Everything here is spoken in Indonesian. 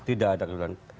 tidak ada kesulitan